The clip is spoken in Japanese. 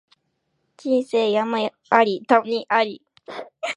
人生山あり谷あり